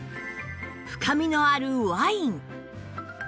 深みのあるワイン